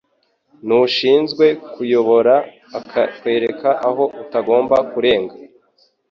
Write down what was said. nushinzwe kukuyobora akwereka aho utagomba kurenga